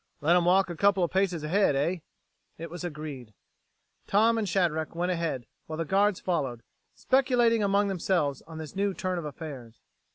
Let 'em walk a couple of paces ahead, eh?" It was agreed. Tom and Shadrack went ahead, while the guards followed, speculating among themselves on this new turn of affairs.